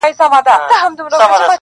درد چي سړی سو له پرهار سره خبرې کوي.